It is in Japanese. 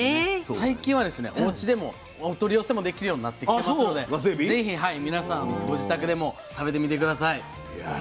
最近はおうちでもお取り寄せもできるようになってきてますのでぜひ皆さんご自宅でも食べてみて下さい。